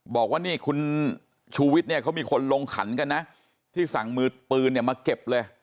บอกว่านี่คุณชูวิทย์เนี่ยเขามีคนลงขันกันนะที่สั่งมือปืนเนี่ยมาเก็บเลย